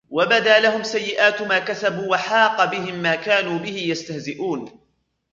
وبدا لهم سيئات ما كسبوا وحاق بهم ما كانوا به يستهزئون